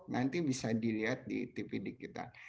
nanti bisa dilihat di tv digital